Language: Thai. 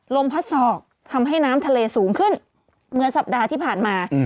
ลมพัดศอกทำให้น้ำทะเลสูงขึ้นเหมือนสัปดาห์ที่ผ่านมา